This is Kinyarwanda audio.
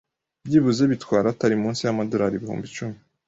Byibuze bitwara atari munsi y’amadolari ibihumbi icumi